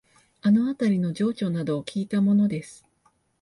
あのあたりの情緒などをきいたものです